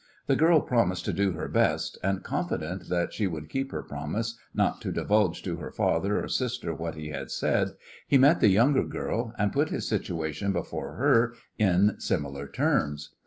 The girl promised to do her best, and, confident that she would keep her promise not to divulge to her father or sister what he had said, he met the younger girl, and put his situation before her in similar terms.